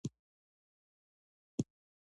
قاتل تل د پښېمانۍ سره ژوند کوي